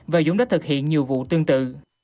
và dũng đã thực hiện nhiều vụ tương tự